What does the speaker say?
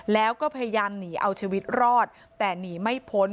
แล้วก็พยายามหนีเอาชีวิตรอดแต่หนีไม่พ้น